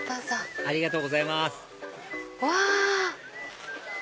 ありがとうございますうわ！